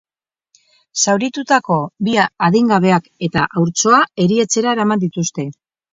Zauritutako bi adingabeak eta haurtxoa erietxera eraman dituzte.